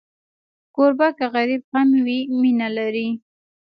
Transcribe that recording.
کوربه که غریب هم وي، مینه لري.